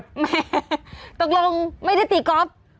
แหมตกลงไม่ได้ตีก๊อฟ